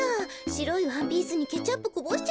しろいワンピースにケチャップこぼしちゃった。